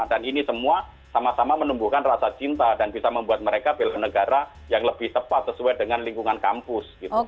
ini semua sama sama menumbuhkan rasa cinta dan bisa membuat mereka bela negara yang lebih tepat sesuai dengan lingkungan kampus